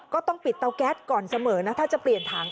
ก็ต้องปิดเตาแก๊สก่อนเสมอนะถ้าจะเปลี่ยนถัง